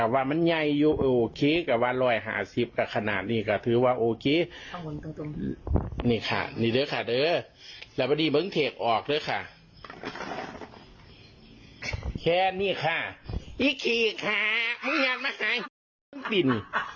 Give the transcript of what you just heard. แค่นี้ค่ะอิขิค่ามึงอยากมาขายปิน